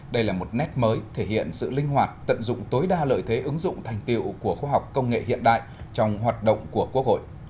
đây là một nét mới thể hiện sự linh hoạt tận dụng tối đa lợi thế ứng dụng thành tiệu của khoa học công nghệ hiện đại trong hoạt động của quốc hội